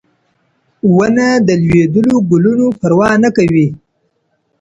ونه د لوېدلو ګلونو پروا نه کوي.